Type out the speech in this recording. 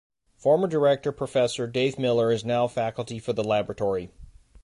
Former director Professor Dave Miller is now faculty for the laboratory.